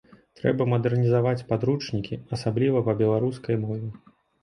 Трэба мадэрнізаваць падручнікі, асабліва па беларускай мове.